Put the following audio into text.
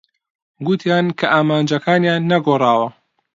گوتیان کە ئامانجەکانیان نەگۆڕاوە.